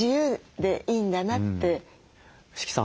伏木さん